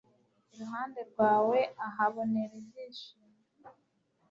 iruhande rwawe ahabonera ibyishimo